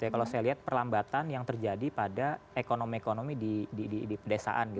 kalau saya lihat perlambatan yang terjadi pada ekonomi ekonomi di pedesaan